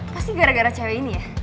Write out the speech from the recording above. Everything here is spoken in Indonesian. pasti gara gara cewek ini ya